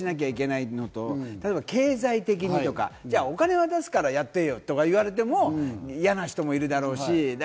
世話をしなきゃいけないのと経済的にとか、お金渡すからやってよとか言われても嫌な人もいるだろうし。